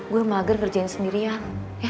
gue mager kerjain sendirian